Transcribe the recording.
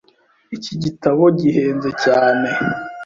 Iki gitabo gihenze cyane. .